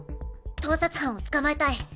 盗撮犯を捕まえたい。